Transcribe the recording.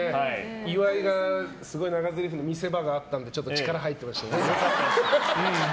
岩井が長ぜりふの見せ場があったのでちょっと力入ってましたね。